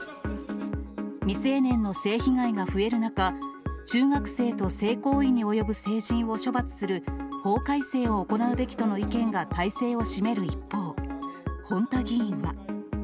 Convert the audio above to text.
未成年の性被害が増える中、中学生と性行為に及ぶ成人を処罰する法改正を行うべきとの意見が大勢を占める一方、本多議員は。